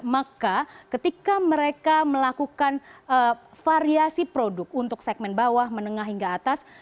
maka ketika mereka melakukan variasi produk untuk segmen bawah menengah hingga atas